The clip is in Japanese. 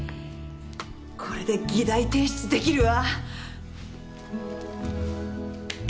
これで議題提出できるわ。